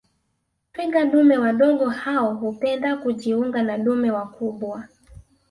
Twiga dume wadogo hao hupenda kujiunga na dume wakubwa